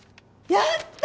やった！